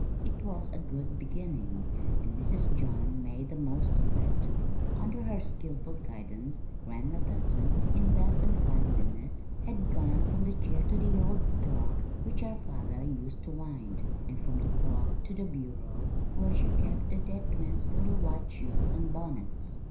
It was a good beginning, and Mrs. John made the most of it. Under her skillful guidance Grandma Burton, in less than five minutes, had gone from the chair to the old clock which her father used to wind, and from the clock to the bureau where she kept the dead twins' little white shoes and bonnets.